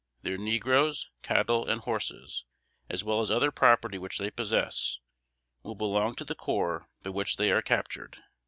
Their negroes, cattle and horses, as well as other property which they possess, will belong to the corps by which they are captured."